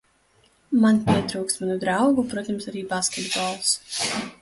Man pietrūkst manu draugu protams arī basketbols.